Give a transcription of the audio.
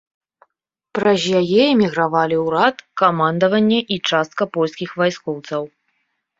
Праз яе эмігравалі ўрад, камандаванне і частка польскіх вайскоўцаў.